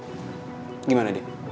jadi gimana deh